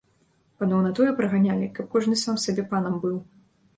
Паноў на тое праганялі, каб кожны сам сабе панам быў.